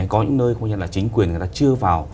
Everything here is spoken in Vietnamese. có những nơi chính quyền chưa vào